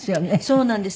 そうなんです。